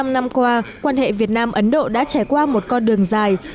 bảy mươi năm năm qua quan hệ việt nam ấn độ đã trải qua một con đường dài